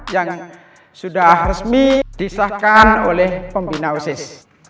yang sudah resmi disahkan oleh pembina usis